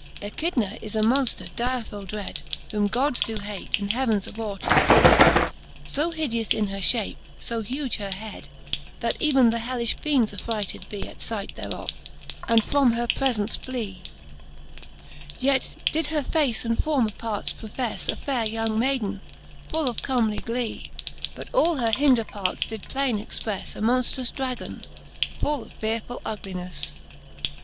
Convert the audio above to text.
X. Echidna is a Monfter direfuU dred, • Whom Gods doe hate, and heavens abhor to fee ; So hideous is her fliape, fo huge her hed, That even the hellifh fiends affrighted bee At fight thereof, and from her prefence flee : Yet did her face and former parts profefle A faire young May den, fiill of comely g'ee ; But all her hinder parts did plaine expreife A monftrous Dragon, full of fearefull uglinefle.